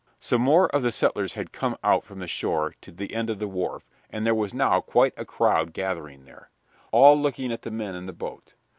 Some more of the settlers had come out from the shore to the end of the wharf, and there was now quite a crowd gathering there, all looking at the men in the boat.